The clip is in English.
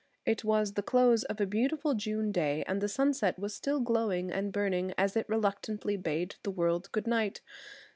It was the close of a beautiful June day and the sunset was still glowing and burning as it reluctantly bade the world good night.